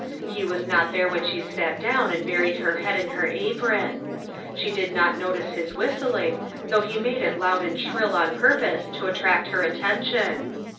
He was not there when she sat down and buried her head in her apron. She did not notice his whistling, though he made it loud and shrill on purpose to attract her attention.